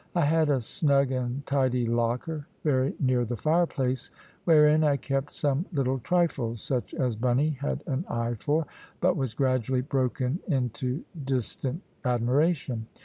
I had a snug and tidy locker very near the fireplace, wherein I kept some little trifles; such as Bunny had an eye for, but was gradually broken into distant admiration.